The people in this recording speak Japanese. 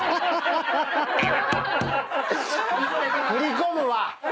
振り込むわ！